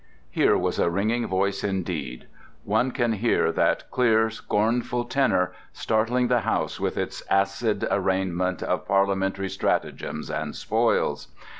Here was a ringing voice indeed: one can hear that clear, scornful tenor startling the House with its acid arraignment of parliamentary stratagems and spoils.